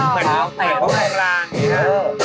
เหมือนกับพลังอย่างนี้นะ